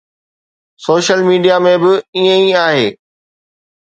Social media ۾ به ائين ئي آهي.